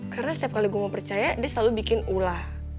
karena setiap kali gue mau percaya dia selalu bikin ulah